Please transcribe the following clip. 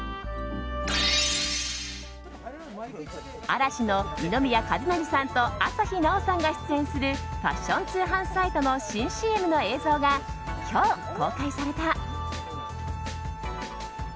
嵐の二宮和也さんと朝日奈央さんが出演するファッション通販サイトの新ＣＭの映像が今日公開された。